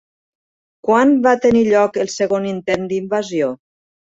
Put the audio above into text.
Quan va tenir lloc el segon intent d'invasió?